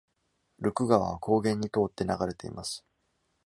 ルク川は、高原に通って流れています。